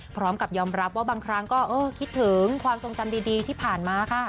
พร้อมกับยอมรับว่าบางครั้งก็คิดถึงความทรงจำดีที่ผ่านมาค่ะ